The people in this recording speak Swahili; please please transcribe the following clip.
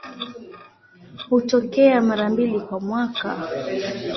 Hutokea mara mbili kwa mwaka.